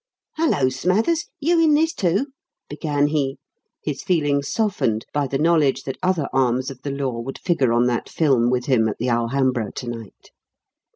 "Hullo, Smathers, you in this, too?" began he, his feelings softened by the knowledge that other arms of the law would figure on that film with him at the Alhambra to night.